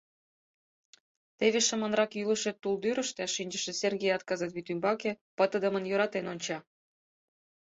Теве шыманрак йӱлышӧ тулдӱрыштӧ шинчыше Сергеят кызыт вӱд ӱмбаке пытыдымын йӧратен онча.